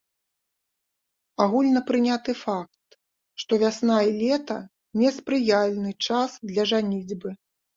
Агульнапрыняты факт, што вясна і лета неспрыяльны час для жаніцьбы.